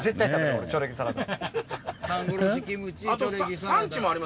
俺チョレギサラダ！